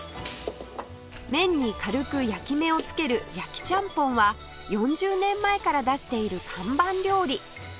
麺に軽く焼き目をつける焼ちゃんぽんは４０年前から出している看板料理